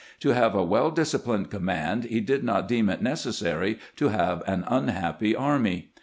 To have a well disciplined command he did not deem it necessary to have an unhappy army.